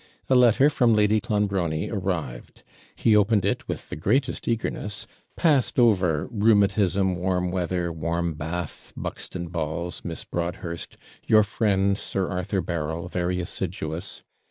A letter from Lady Clonbrony arrived; he opened it with the greatest eagerness passed over 'Rheumatism warm weather warm bath Buxton balls Miss Broadhurst your FRIEND, Sir Arthur Berryl, very assiduous!'